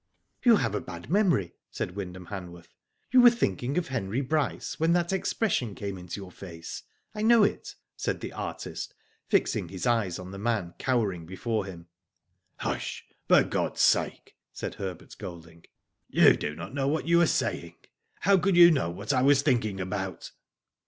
*^ You have a bad memory," said Wyndham Hanworth. " You were thinking of Henry Bryce when that expression came into your face. I know it," said the artist, fixing his eyes on the man cowering before him. Hush, for God's sake," said Herbert Golding. " You do not know what you are saying. How could you know what I was thinking about